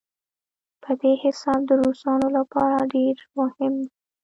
په دې حساب د روسانو لپاره ډېر مهم دی.